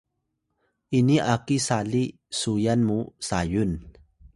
ini aki sali suyan mu Sayun